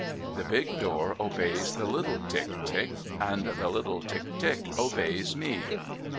" The big door obeys the little Tick, Tick, and the little Tick, Tick, obeys me.